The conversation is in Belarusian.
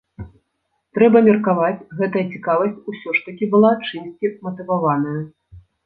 Трэба меркаваць, гэтая цікавасць усё ж такі была чымсьці матываваная.